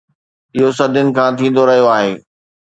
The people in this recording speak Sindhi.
اهو صدين کان ٿيندو رهيو آهي